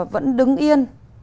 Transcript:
vẫn đứng yên